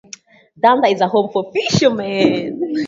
Danda is a home to fishermen.